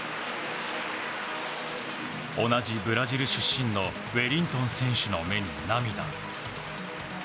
同じブラジル出身のウェリントン選手の目に涙。